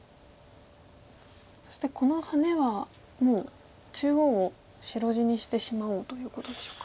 そしてこのハネはもう中央を白地にしてしまおうということでしょうか。